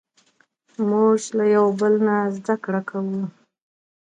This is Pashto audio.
موږ له یو بل نه زدهکړه کوو.